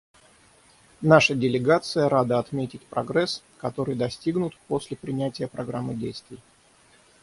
Наша делегация рада отметить прогресс, который достигнут после принятия Программы действий.